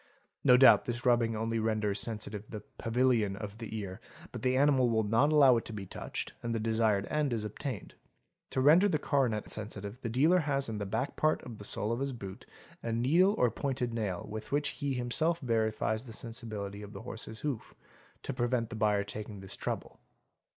No doubt, this rubbing only renders sensitive the pavillion of — the ear, but the animal will not allow it to be touched and the desired end is obtained. 'To render the coronet sensitive, the dealer has in the back part of the sole of his boot a needle or pointed nail with which he himself verifies the sensibility of the horse's hoof, to prevent the buyer taking this trouble.